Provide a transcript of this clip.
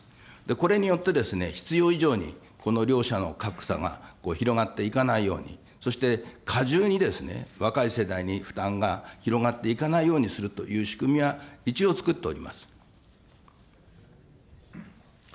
これによってですね、必要以上にこの両者の格差が広がっていかないように、そして、かじゅうにですね、若い世代に負担が広がっていかないようにするという仕組みは、一応つくっております。